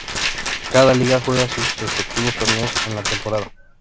Cada liga juega sus respectivos torneos en la temporada.